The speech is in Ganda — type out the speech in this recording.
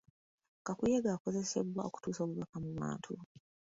Kakuyege akozesebwa okutuusa obubaka mu bantu.